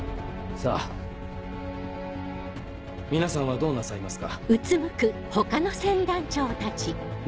さんしさんはどうなさいますか？